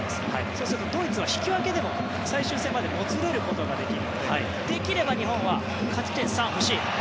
そうするとドイツは引き分けでも最終戦までもつれることができるのでできれば日本は勝ち点３欲しい。